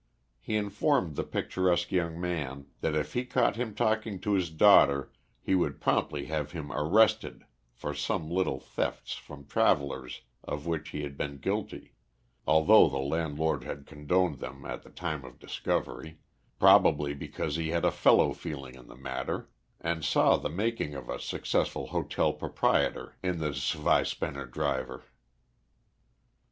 He informed the picturesque young man that if he caught him talking to his daughter he would promptly have him arrested for some little thefts from travellers of which he had been guilty, although the landlord had condoned them at the time of discovery, probably because he had a fellow feeling in the matter, and saw the making of a successful hotel proprietor in the Zweispanner driver.